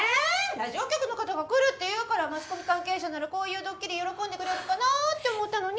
ラジオ局の方が来るっていうからマスコミ関係者ならこういうドッキリ喜んでくれるかなって思ったのに。